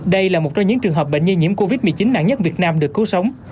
đây là một trong những trường hợp bệnh nhi nhiễm covid một mươi chín nặng nhất việt nam được cứu sống